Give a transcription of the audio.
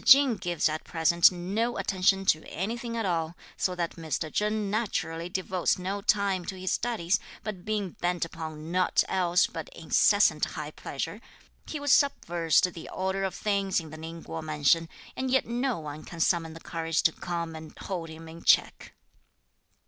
Ching gives at present no attention to anything at all, so that Mr. Chen naturally devotes no time to his studies, but being bent upon nought else but incessant high pleasure, he has subversed the order of things in the Ning Kuo mansion, and yet no one can summon the courage to come and hold him in check.